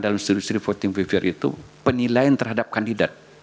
dalam survei voting favoir itu penilaian terhadap kandidat